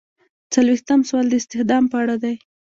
څلویښتم سوال د استخدام په اړه دی.